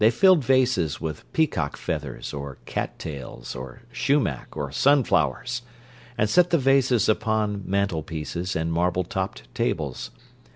They filled vases with peacock feathers, or cattails, or sumac, or sunflowers, and set the vases upon mantelpieces and marble topped tables.